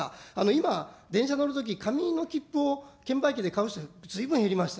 今、電車乗るとき、紙の切符を券売機で買う人、ずいぶん減りました。